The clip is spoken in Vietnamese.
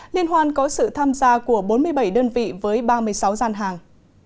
liên hoan có sự tham gia của bốn mươi bảy đơn vị với ba mươi sáu gian hàng